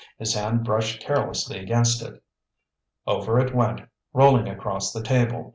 His hand brushed carelessly against it. Over it went, rolling across the table.